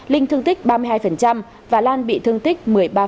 linh thương tích ba mươi hai và lan bị thương tích một mươi ba